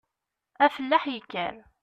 Afellaḥ yekker.